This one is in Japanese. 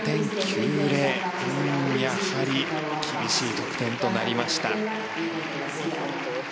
やはり厳しい得点となりました。